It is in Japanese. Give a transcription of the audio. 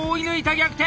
逆転！